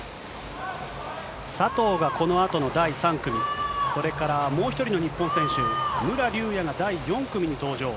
佐藤がこのあとの第３組、それからもう一人の日本選手、武良竜也が第４組に登場。